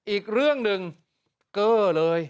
อีกเรื่องหนึ่งเก้อเลย